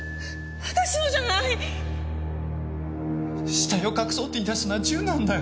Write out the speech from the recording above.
死体を隠そうって言い出したのはジュンなんだよ！